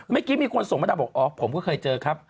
เมื่อกี้มีคนส่งมาแล้วบอกอ๋อผมก็เคยเจอครับ